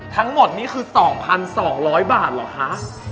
ทั้งหมดนี่คือ๒๒๐๐บาทเหรอคะ